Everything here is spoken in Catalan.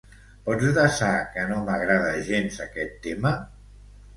Pots desar que no m'agrada gens aquest tema?